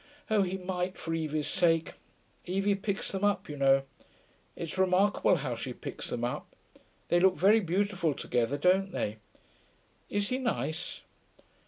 'Oh, he might, for Evie's sake. Evie picks them up, you know; it's remarkable how she picks them up. They look very beautiful together, don't they? Is he nice?'